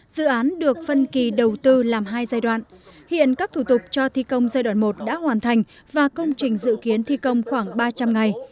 dự án được phân kỳ đầu tư làm hai giai đoạn hiện các thủ tục cho thi công giai đoạn một đã hoàn thành và công trình dự kiến thi công khoảng ba trăm linh ngày